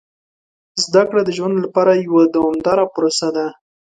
زده کړه د ژوند لپاره یوه دوامداره پروسه ده.